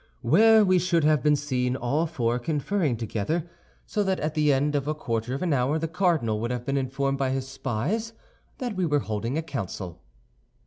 "Where we should have been seen all four conferring together, so that at the end of a quarter of an hour the cardinal would have been informed by his spies that we were holding a council."